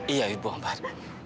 iya ibu ambar